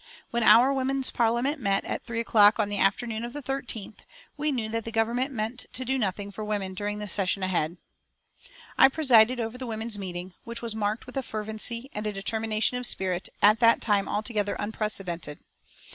When our Women's Parliament met at three o'clock on the afternoon of the thirteenth we knew that the Government meant to do nothing for women during the session ahead. I presided over the women's meeting, which was marked with a fervency and a determination of spirit at that time altogether unprecedented.